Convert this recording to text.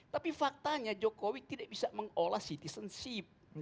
tapi faktanya jokowi tidak bisa mengolah citizenship